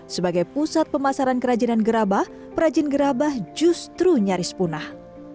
sebagai pusat pemasaran kerajinan gerabah kerajinan gerabah justru nyaris punah